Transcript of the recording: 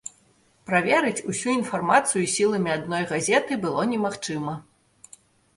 Праверыць усю інфармацыю сіламі адной газеты было немагчыма.